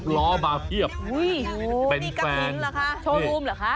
๑๐ล้อมาเพียบโอ้โหเป็นแฟนโชว์รูมเหรอคะ